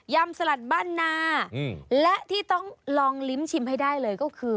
ำสลัดบ้านนาและที่ต้องลองลิ้มชิมให้ได้เลยก็คือ